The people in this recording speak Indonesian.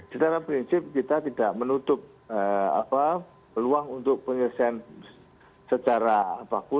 secara prinsip kita tidak menutup peluang untuk penyelesaian secara baku